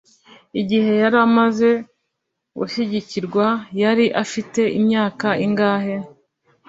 Igihe yari amaze gushyingirwa yari afite imyaka ingahe